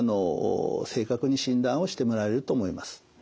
正確に診断をしてもらえると思います。